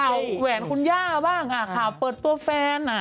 แหวนคุณย่าบ้างข่าวเปิดตัวแฟน